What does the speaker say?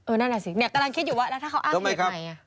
เออนั่นแหละสิกำลังคิดอยู่ว่าแล้วถ้าเขาอ้างเหตุไหน